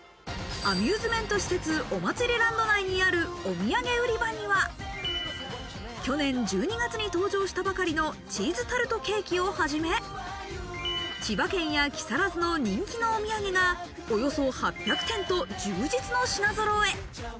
アミューズメント施設、お祭りランド内にあるお土産売り場には、去年１２月に登場したばかりのチーズタルトケーキをはじめ、千葉県や木更津の人気のお土産が、およそ８００点と充実の品揃え。